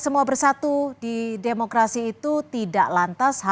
perusahaan yang penting untuk perusahaan yang penting untuk pemerintahan